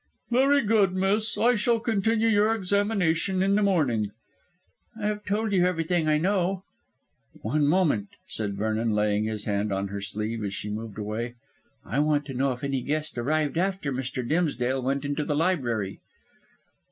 "Very good, miss. I shall continue your examination in the morning." "I have told you everything I know." "One moment," said Vernon, laying his hand on her sleeve as she moved away. "I want to know if any guest arrived after Mr. Dimsdale went into the library."